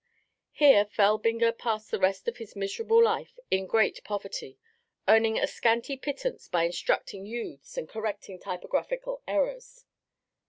Here Felbinger passed the rest of his miserable life in great poverty, earning a scanty pittance by instructing youths and correcting typographical errors.